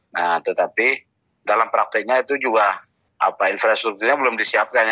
nah tetapi dalam prakteknya itu juga infrastrukturnya belum disiapkan